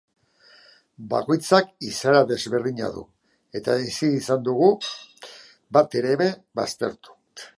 Bakoitzak izaera ezberdina du, eta ezin izan dugu bat ere ez baztertu.